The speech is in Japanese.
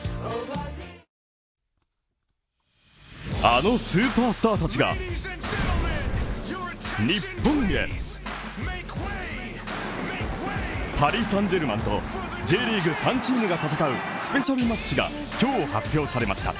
あのスーパースターたちが日本でパリ・サンジェルマンとＪリーグ３チームが戦うスペシャルマッチが今日発表されました。